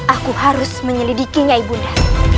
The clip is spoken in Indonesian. aku harus menyelidikinya ibunda